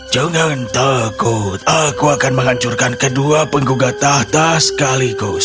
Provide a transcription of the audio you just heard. jangan takut aku akan menghancurkan kedua penggugat tahta sekaligus